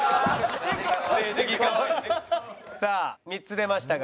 さあ３つ出ましたが。